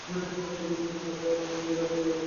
তোমরা এখনকার মতো বিশ্রামে থাকবে এবং ক্ষতি কাটিয়ে উঠবে।